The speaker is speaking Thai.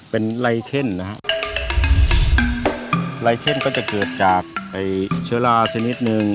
เป็นไลเคนนะฮะไลเคนก็จะเกิดจากไอ้เชื้อราสักนิดนึง